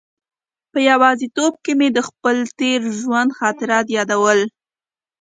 په یوازې توب کې مې د خپل تېر ژوند خاطرات یادول.